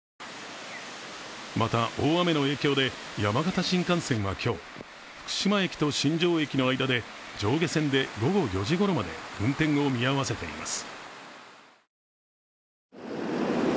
また、大雨の影響で山形新幹線は今日、福島駅と新庄駅の間で上下線で午後４時ごろまで運転を見合わせています。